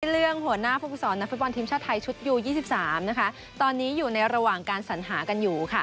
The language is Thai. เรื่องหัวหน้าผู้ฝึกสอนนักฟุตบอลทีมชาติไทยชุดยู๒๓นะคะตอนนี้อยู่ในระหว่างการสัญหากันอยู่ค่ะ